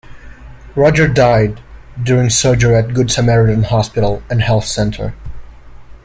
Roger died during surgery at Good Samaritan Hospital and Health Center.